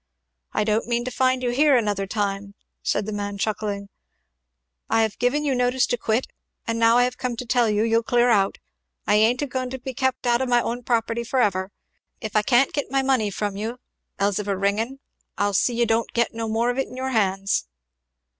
"I don't mean to find you here another time," said the man chuckling, "I have given you notice to quit, and now I have come to tell you you'll clear out. I ain't a going to be kept out of my property for ever. If I can't get my money from you, Elzevir Ringgan, I'll see you don't get no more of it in your hands."